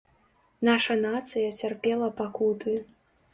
Наша нацыя цярпела пакуты.